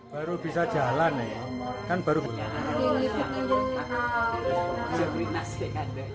baru bisa jalan ya kan baru bisa